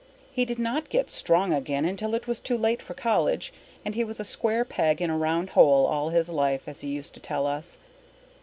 He did not get strong again until it was too late for college, and he was a square peg in a round hole all his life, as he used to tell us.